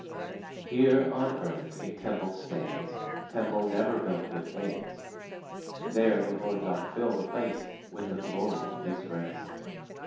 "Here on earth a temple stands, Temple never built with hands; There the Lord doth fill the place With the glory of His grace.